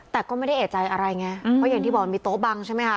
แต่ก็ไม่ได้เอกใจอะไรไงเพราะอย่างที่บอกมันมีโต๊ะบังใช่ไหมคะ